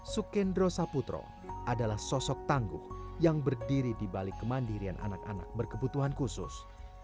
sukendro saputro adalah sosok tangguh yang berdiri di balik kemandirian anak anak berkebutuhan khusus